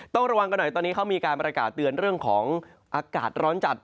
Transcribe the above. ต้องระวังกันหน่อยตอนนี้เขามีการประกาศเตือนเรื่องของอากาศร้อนจัด